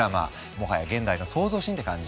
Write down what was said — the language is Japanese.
もはや現代の創造神って感じ？